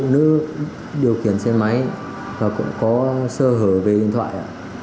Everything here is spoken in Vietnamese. nữ điều khiển xe máy và cũng có sơ hở về điện thoại